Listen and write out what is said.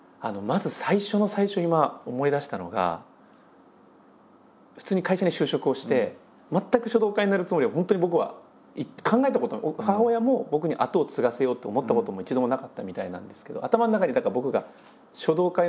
まず最初の最初今思い出したのが普通に会社に就職をして全く書道家になるつもりは本当に僕は考えたことも母親も僕に跡を継がせようと思ったことも一度もなかったみたいなんですけど。